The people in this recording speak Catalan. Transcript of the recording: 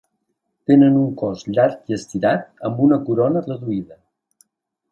Tenen un cos llarg i estirat amb una corona reduïda.